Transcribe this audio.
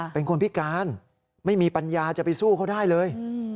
เป็นคนพิการไม่มีปัญญาจะไปสู้เขาได้เลย